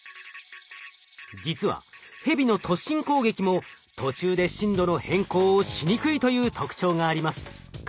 実はヘビの突進攻撃も途中で進路の変更をしにくいという特徴があります。